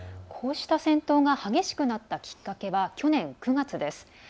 こうした戦闘が激しくなったきっかけは、去年９月です。